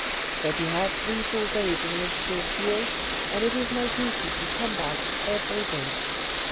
" But you have three full days in which to appeal, and it is my duty to come back every day.